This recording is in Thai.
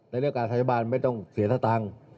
ในเรื่องการทรัพยาบาลไม่ต้องเสียท่าตังค์